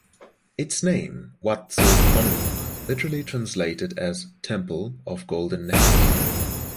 Its name "Wat Soi Thong" literally translated as "temple of golden necklace".